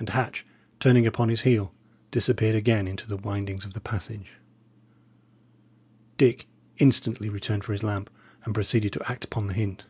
And Hatch, turning upon his heel, disappeared again into the windings of the passage. Dick instantly returned for his lamp, and proceeded to act upon the hint.